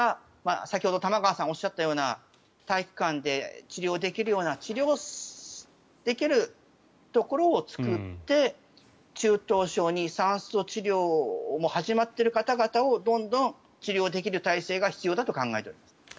先ほど玉川さんがおっしゃったような体育館で治療できるような治療できるところを作って中等症に酸素治療を始まっている方々をどんどん治療できる体制が必要だと考えています。